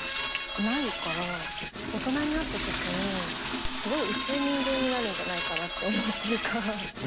ないから大人になったときにすごい薄い人間になるんじゃないかなって思うっていうか。